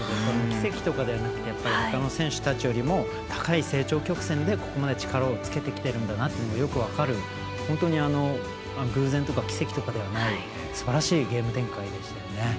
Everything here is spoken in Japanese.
奇跡とかではなくてほかの選手たちよりも高い成長曲線でここまで力をつけてきてるんだなというのがよく分かる、本当に偶然とか奇跡ではないすばらしいゲーム展開でした。